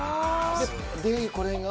でこれが。